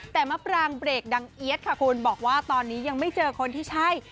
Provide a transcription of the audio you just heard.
แต่มะปรางเบรกดังเอี๊ยดค่ะคุณบอกว่าตอนนี้ยังไม่เจอคนที่ใช่